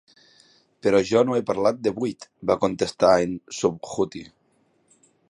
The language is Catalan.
"Però jo no he parlat de buit", va contestar en Subhuti.